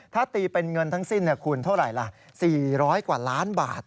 ถ้าตีเป็นเงินทั้งสิ้นคูณเท่าไหร่ล่ะ๔๐๐กว่าล้านบาท